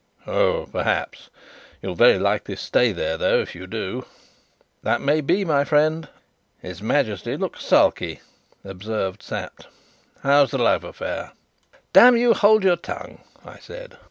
"Oh, perhaps. You'll very likely stay there though, if you do." "That may be, my friend," said I carelessly. "His Majesty looks sulky," observed Sapt. "How's the love affair?" "Damn you, hold your tongue!" I said.